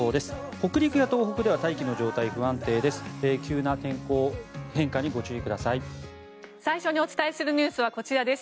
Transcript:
北陸や東北でも大気の状態が不安定です。